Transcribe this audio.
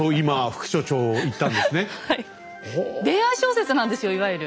恋愛小説なんですよいわゆる。